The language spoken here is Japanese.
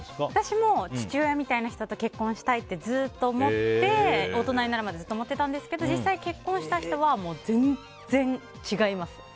私も父親みたいな人と結婚したいと大人になるまでずっと思ってたんですけど実際、結婚した人は全然違います。